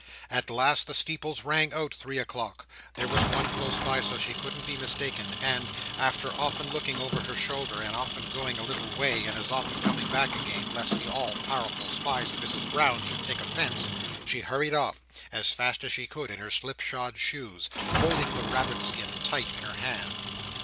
At last the steeples rang out three o'clock; there was one close by, so she couldn't be mistaken; and—after often looking over her shoulder, and often going a little way, and as often coming back again, lest the all powerful spies of Mrs Brown should take offence—she hurried off, as fast as she could in her slipshod shoes, holding the rabbit skin tight in her hand.